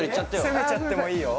攻めちゃってもいいよ